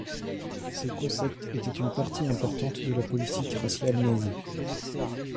Ces concepts étaient une partie importante de la politique raciale nazie.